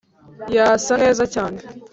yasa neza cyane.